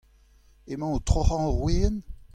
Emañ o troc'hañ ur wezenn ?